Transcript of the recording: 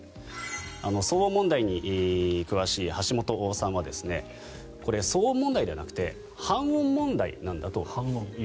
騒音問題に詳しい橋本さんはこれは騒音問題ではなくて煩音問題なんだということです。